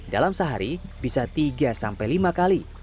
dalam sehari bisa tiga sampai lima kali